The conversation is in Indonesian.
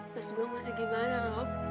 terus gua mesti gimana rob